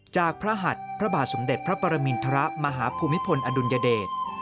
จากพระหัฐพระบาทสมเด็จพระปรมินทรมาฮภูมิพลอดุลยเดช